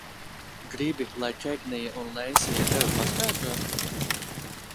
Gribi, lai Kegnija un Leisija tev paskaidro?